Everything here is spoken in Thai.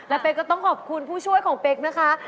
และเป๊กก็ต้องขอบคุณผู้ช่วยของเป๊กนะคะ